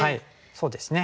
そうですね。